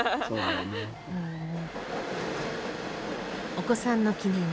お子さんの記念。